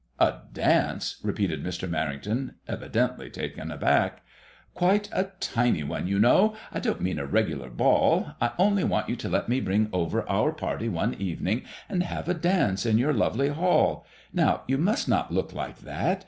" A dance ?" repeated Mr. Merrington, evidently taken aback. Quite a tiny one, you know. I don't mean a regular ball. I only want you to let me bring over our party one evening, and have a dance in your lovely hall. MADEMOISELLE IXB. 77 Now you must not look like that.